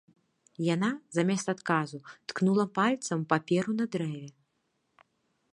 Яна, замест адказу, ткнула пальцам у паперу на дрэве.